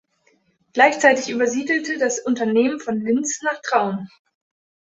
Gleichzeitig übersiedelte das Unternehmen von Linz nach Traun.